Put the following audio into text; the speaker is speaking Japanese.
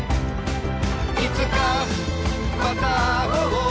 「いつかまた会おう」